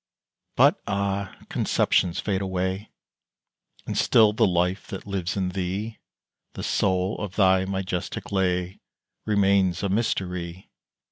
But, ah! conceptions fade away, And still the life that lives in thee The soul of thy majestic lay Remains a mystery!